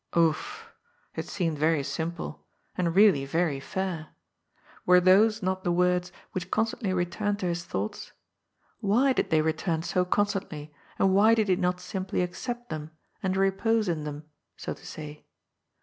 Ouf ! It seemed Tcry simple. And really Tery fair. Were those not the words which constantly returned to his thoughts? Why did they return so constantly, and why did he not simply accept them, and repose in them, so to say